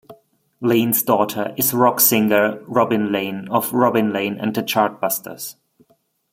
Lane's daughter is rock singer Robin Lane of Robin Lane and the Chartbusters.